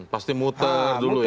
pasti muter dulu ya